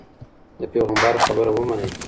د پيغمبر خبره ومنئ.